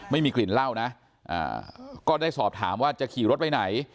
ไม่มีกลิ่นเหล้านะก็ได้สอบถามว่าจะขี่รถไปไหน